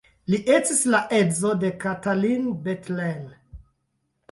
Li estis la edzo de Katalin Bethlen.